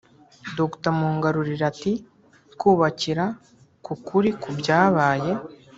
Dr Mungarurire ati “Kubakira ku kuri ku byabaye